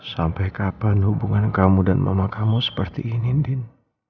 sampai kapan hubungan kamu dan mama kamu seperti inindin